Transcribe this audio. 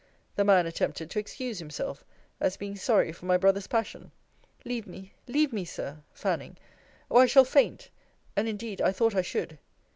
The man attempted to excuse himself, as being sorry for my brother's passion. Leave me, leave me, Sir, fanning or I shall faint. And indeed I thought I should.